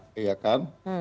jadi kalau dulu kalau